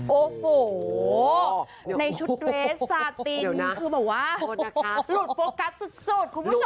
โอ้โหในชุดเรสซาตินคือแบบว่าหลุดโฟกัสสุดคุณผู้ชม